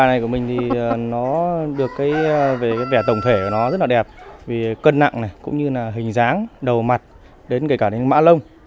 nó được cái vẻ tổng thể của nó rất là đẹp vì cân nặng này cũng như là hình dáng đầu mặt đến kể cả những mã lông